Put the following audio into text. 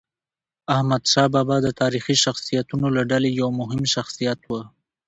احمدشاه بابا د تاریخي شخصیتونو له ډلې یو مهم شخصیت و.